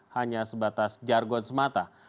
hanya sebatas jargon semata